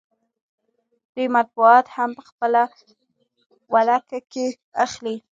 دوی مطبوعات هم په خپله ولکه کې اخلي